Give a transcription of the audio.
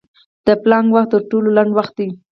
د پلانک وخت تر ټولو لنډ وخت دی.